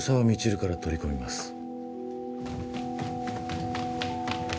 未知留から取り込みます